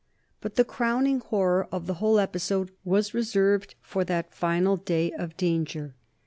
But the crowning horror of the whole episode was reserved for that final day of danger.